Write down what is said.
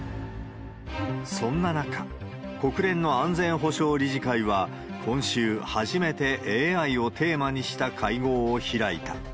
そんな中、国連の安全保障理事会は、今週、初めてＡＩをテーマにした会合を開いた。